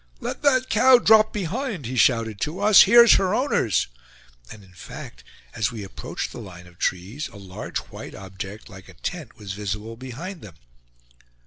"Let that cow drop behind!" he shouted to us; "here's her owners!" And in fact, as we approached the line of trees, a large white object, like a tent, was visible behind them.